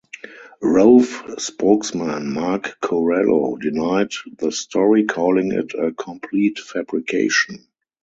Rove spokesman Mark Corallo denied the story, calling it "a complete fabrication".